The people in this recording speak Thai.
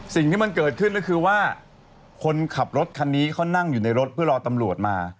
สิ่งที่มันเกิดขึ้นก็คือว่าคนขับรถคันนี้เขานั่งอยู่ในรถเพื่อรอตำรวจมา